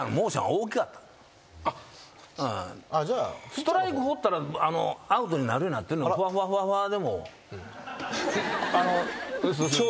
ストライク放ったらアウトになるようなってるのにふわふわふわでも。